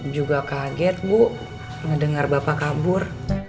juga kaget bu ngedengar bapak kabur